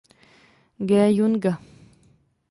G. Junga.